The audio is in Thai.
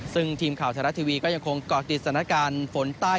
ซึ่งทีมข่าวไทยรัฐทีวีก็ยังคงเกาะติดสถานการณ์ฝนใต้